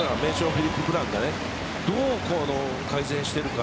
フィリップ・ブランがどう改善しているのか